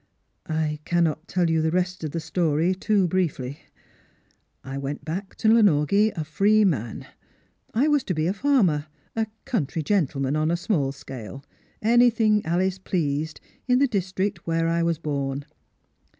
I cannot tell you the rest of the stoiy too briefly. I went back to Lanorgie a free man. I was to be a farmer — a country gentleman on a small scale — anything Alice pleased, in the district where I was born.